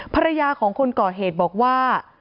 ภรรยาของคนก่อเหตุบอกว่า